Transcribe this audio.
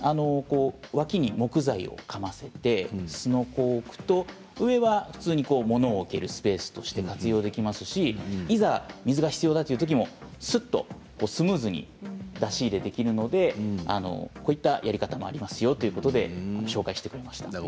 脇に木材をかませてすのこを置くと上は普通に物を置けるスペースとして活用できますしいざ水が必要だというときもすっとスムーズに出し入れできるのでこういったやり方もありますよと紹介してくれました。